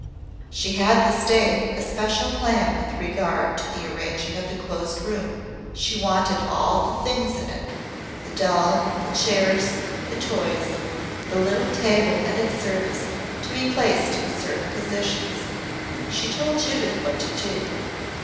She had this day a special plan with regard to the arranging of the Closed Room. She wanted all the things in it the doll the chairs the toys the little table and its service to be placed in certain positions. She told Judith what to do.